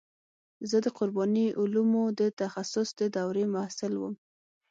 زه د قراني علومو د تخصص د دورې محصل وم.